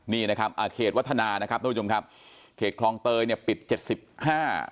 นี่นะครับอ่าเขตวัฒนานะครับทุกผู้ชมครับเขตคลองเตยเนี่ยปิดเจ็ดสิบห้า